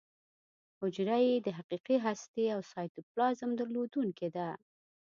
حجره یې د حقیقي هستې او سایټوپلازم درلودونکې ده.